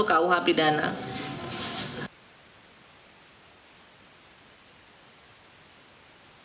maka akan diubah dengan undang undang nomor dua puluh satu tahun dua ribu satu